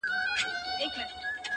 دا خپله وم.